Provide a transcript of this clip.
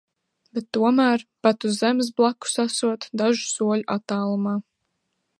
Bet tomēr, pat uz zemes blakus esot, dažu soļu attālumā.